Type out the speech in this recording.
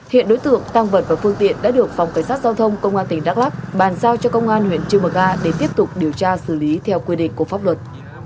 hiện đối tượng căng vật và phương tiện đã được phòng cẩn sát giao thông công an tỉnh đắk lắk bàn giao cho công an huyện tri bờ ga để tiếp tục điều tra xử lý theo quy định của pháp luật